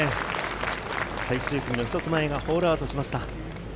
最終組のひとつ前がホールアウトしました。